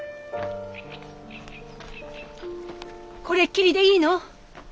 これっきりでいいの？